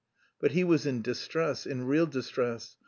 But he was in distress, in real distress.